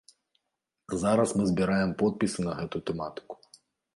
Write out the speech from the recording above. Зараз мы збіраем подпісы на гэту тэматыку.